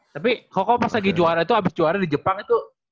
tapi koko pas lagi juara itu abis juara di jepang itu